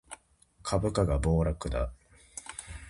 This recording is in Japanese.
株価が暴落だ